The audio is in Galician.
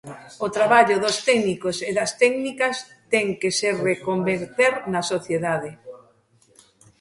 O traballo dos técnicos e das técnicas ten que se reconverter na sociedade.